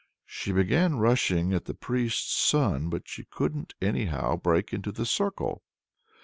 She began rushing at the priest's son, but she couldn't anyhow break into the circle.